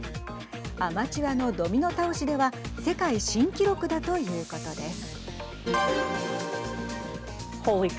アマチュアのドミノ倒しでは世界新記録だということです。